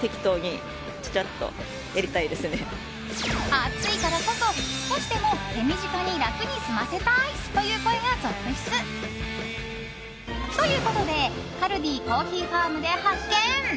暑いからこそ少しでも手短に楽に済ませたい！という声が続出。ということでカルディコーヒーファームで発見。